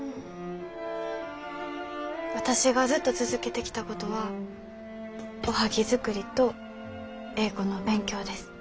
私がずっと続けてきたことはおはぎ作りと英語の勉強です。